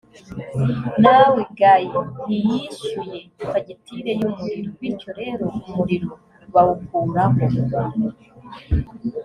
naw gay ntiyishyuye fagitire y umuriro bityo rero umuriro bawukuraho